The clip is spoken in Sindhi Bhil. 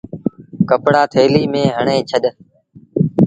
ڪپڙآ ٿيلي ميݩ هڻي ڇڏ۔